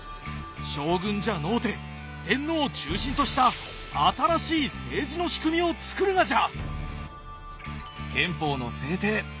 将軍じゃのうて天皇を中心とした新しい政治の仕組みを作るがじゃ！